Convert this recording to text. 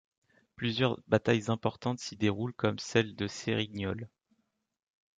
Plusieurs batailles importantes s'y déroulent comme celle de Cérignole.